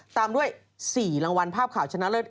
ตามด้วย๔รางวัลภาพข่าวชนะเลิศ